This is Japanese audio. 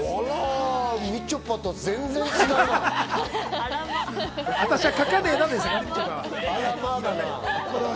みちょぱとは全然違う。